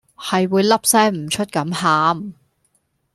係會粒聲唔出咁喊